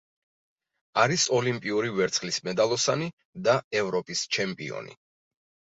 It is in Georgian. არის ოლიმპიური ვერცხლის მედალოსანი და ევროპის ჩემპიონი.